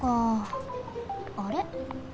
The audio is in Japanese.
あれ？